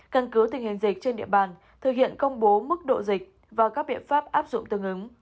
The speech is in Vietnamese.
căn cứ tình hình dịch trên địa bàn thực hiện công bố mức độ dịch và các biện pháp áp dụng tương ứng